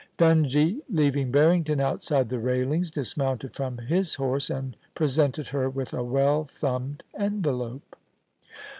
Dungie, leaving Harrington outside the railings, dismounted from his horse, and presented her with a well thumbed envelope.